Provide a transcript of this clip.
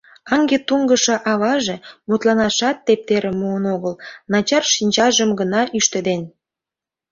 Аҥге-туҥгышо аваже мутланашат тептерым муын огыл, начар шинчажым гына ӱштеден.